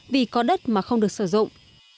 vì có đất mà không được sử dụng